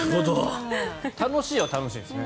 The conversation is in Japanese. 楽しいは楽しいんですね。